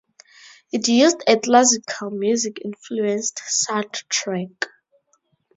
It used a classical music-influenced soundtrack.